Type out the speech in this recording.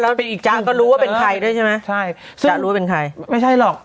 แล้วเป็นอีกจ๊ะก็รู้ว่าเป็นใครด้วยใช่ไหมใช่จ๊ะรู้ว่าเป็นใครไม่ใช่หรอก